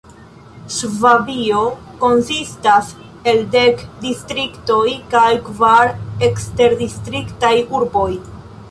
Ŝvabio konsistas el dek distriktoj kaj kvar eksterdistriktaj urboj.